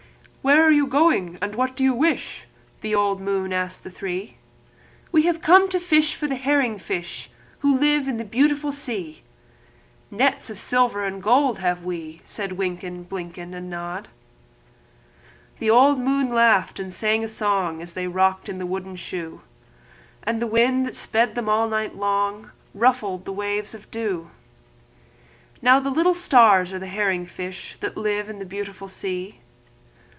"Where are you going, and what do you wish?" The old moon asked the three. "We have come to fish for the herring fish That live in this beautiful sea; Nets of silver and gold have we," Said Wynken, Blynken, And Nod. The old moon laughed and sung a song, As they rocked in the wooden shoe; And the wind that sped them all night long Ruffled the waves of dew; The little stars were the herring fish That lived in the beautiful sea.